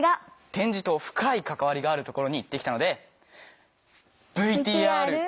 点字と深い関わりがあるところに行ってきたので。